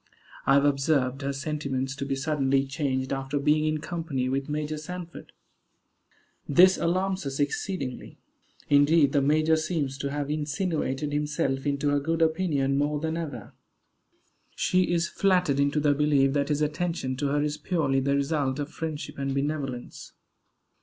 I have observed her sentiments to be suddenly changed after being in company with Major Sanford. This alarms us exceedingly. Indeed, the major seems to have insinuated himself into her good opinion more than ever. She is flattered into the belief that his attention to her is purely the result of friendship and benevolence.